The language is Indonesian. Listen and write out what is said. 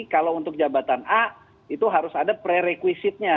kalau untuk jabatan a itu harus ada prerequisite nya